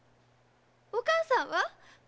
お母さんは？